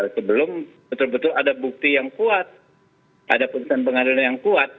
sebelum betul betul ada bukti yang kuat ada putusan pengadilan yang kuat